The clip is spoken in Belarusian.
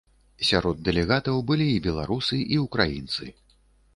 Сярод дэлегатаў былі і беларусы, і ўкраінцы.